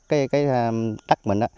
cái đất mình